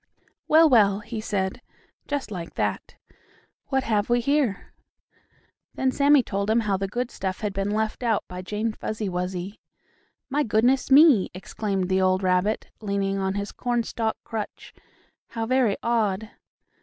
"Well, well," he said, just like that. "What have we here?" Then Sammie told him how the good stuff had been left out by Jane Fuzzy Wuzzy. "My goodness me!" exclaimed the old rabbit, leaning on his cornstalk crutch, "how very odd."